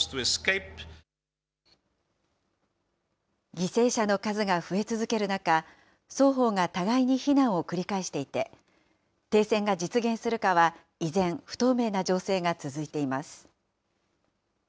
犠牲者の数が増え続ける中、双方が互いに非難を繰り返していて、停戦が実現するかは依然不透明な情勢が続いています。